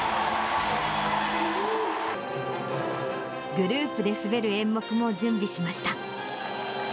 グループで滑る演目も準備しました。